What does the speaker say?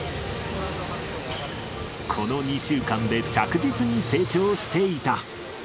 この２週間で着実に成長していた。